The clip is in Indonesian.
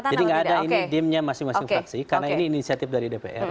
jadi gak ada dimnya masing masing fraksi karena ini inisiatif dari dpr